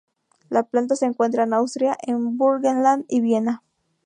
La planta se encuentra en Austria en Burgenland y Viena.